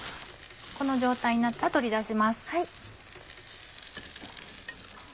この状態になったら取り出します。